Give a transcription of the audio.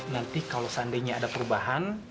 nanti kalau seandainya ada perubahan